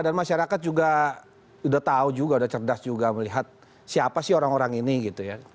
dan masyarakat juga udah tahu juga udah cerdas juga melihat siapa sih orang orang ini gitu ya